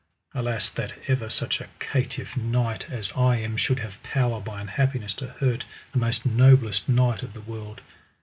Alas that ever such a caitiff knight as I am should have power by unhappiness to hurt the most noblest knight of the world.